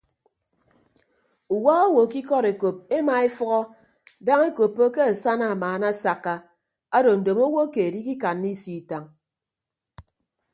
Uwak owo ke ikọd ekop ema efʌhọ daña ekoppo ke asana amaana asakka ado ndomo owo keed ikikanna isio itañ.